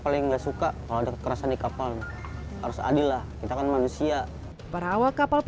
paling enggak suka kalau dekat kerasa di kapal harus adil lah kita kan manusia para awal kapal